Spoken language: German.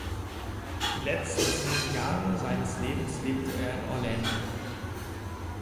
Die letzten zehn Jahre seines Lebens lebte er in Orlando.